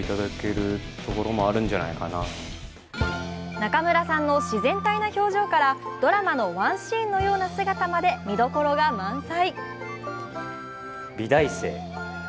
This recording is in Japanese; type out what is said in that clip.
中村さんの自然体な表情からドラマのワンシーンのような姿まで、見どころが満載！